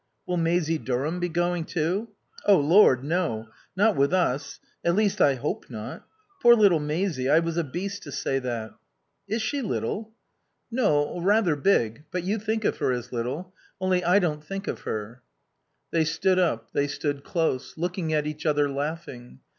"Will Maisie Durham be going too?" "O Lord no. Not with us. At least I hope not ... Poor little Maisie, I was a beast to say that." "Is she little?" "No, rather big. But you think of her as little. Only I don't think of her." They stood up; they stood close; looking at each other, laughing.